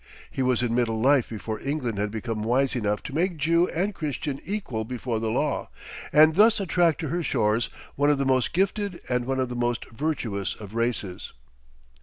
He was in middle life before England had become wise enough to make Jew and Christian equal before the law, and thus attract to her shores one of the most gifted and one of the most virtuous of races.